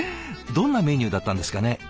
どんなメニューだったんですかね？